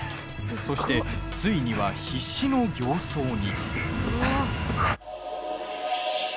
そして、ついには必死の形相に。